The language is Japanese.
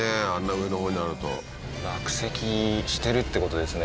上のほうにあると落石してるってことですね